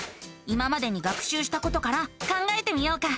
今までに学しゅうしたことから考えてみようか。